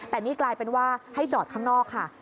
แต่นี่กลายเป็นว่าให้จอดข้างนอกค่ะ